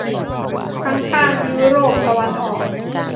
ทั้งทางยุโรปตะวันออก